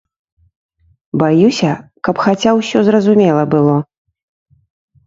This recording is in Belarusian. Баюся, каб хаця ўсё зразумела было.